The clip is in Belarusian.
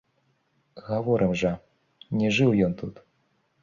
Гаворым жа, не жыў ён тут.